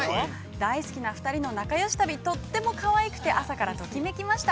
大好きな２人の仲よし旅、とてもかわいくて、朝から、ときめきました。